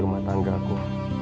rumah tangga aku